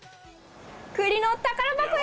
栗の宝箱や！